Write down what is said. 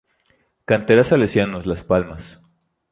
Cantera Salesianos Las Palmas.